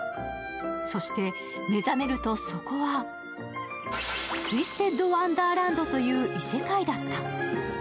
そして目覚めると、そこはツイステッドワンダーランドという異世界だった。